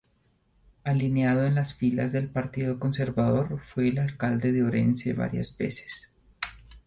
Alineado en las filas del partido conservador, fue alcalde de Orense varias veces.